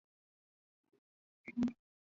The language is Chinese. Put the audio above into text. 马正秀文革受害者。